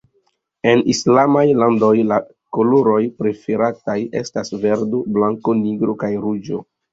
En Islamaj landoj la koloroj preferataj estas verdo, blanko, nigro kaj ruĝo.